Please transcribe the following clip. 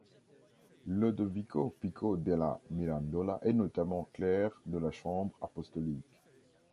Lodovico Pico della Mirandola est notamment clerc de la Chambre apostolique.